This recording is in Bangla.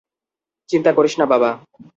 চিন্তা করিস না বাবা।